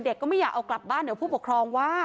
เด็กก็ไม่อยากเอากลับบ้านเหลือผู้ปกครองว่า